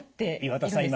岩田さん